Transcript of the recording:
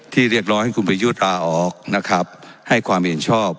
เรียกร้องให้คุณประยุทธ์ลาออกนะครับให้ความเห็นชอบ